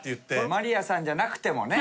まりあさんじゃなくてもね。